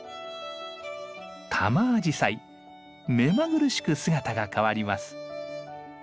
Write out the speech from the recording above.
タマアジサイ目まぐるしく姿が変わります。